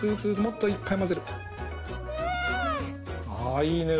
あいいね。